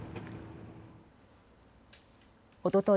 おととい